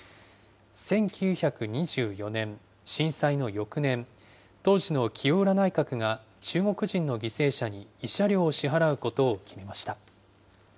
１９２４年、震災の翌年、当時の清浦内閣が中国人の犠牲者に慰謝料を支払うことを決めまし